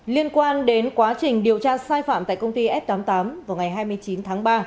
liên quan đến quá trình điều tra sai phạm tại công ty s tám mươi tám vào ngày hai mươi chín tháng ba